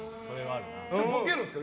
ボケるんですか？